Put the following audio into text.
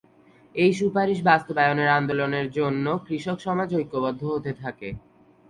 এই সুপারিশ বাস্তবায়নের আন্দোলনের জন্য কৃষক সমাজ ঐক্যবদ্ধ হতে থাকে।